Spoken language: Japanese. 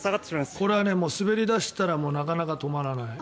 これは滑り出したらなかなか止まらない。